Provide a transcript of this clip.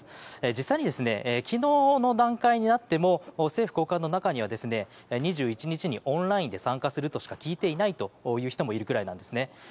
実際に昨日の段階になっても政府高官の中には２１日にオンラインで参加するとしか聞いていないという人もいるぐらいなんです。